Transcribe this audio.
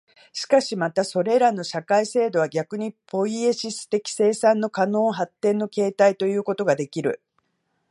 しかしてまたそれらの社会制度は逆にポイエシス的生産の可能発展の形態ということができる、